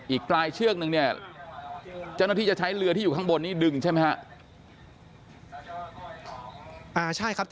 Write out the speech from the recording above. อีกปลายเชือกนึงเนี่ยเจ้าหน้าที่จะใช้เรือที่อยู่ข้างบนนี้ดึงใช่ไหมครับ